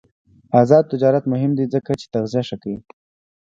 آزاد تجارت مهم دی ځکه چې تغذیه ښه کوي.